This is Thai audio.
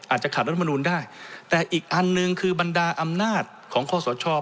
อาจจะขัดรัฐมนูลได้แต่อีกอันหนึ่งคือบรรดาอำนาจของข้อสช